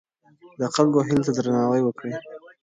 د خلکو هیلو ته درناوی وکړئ.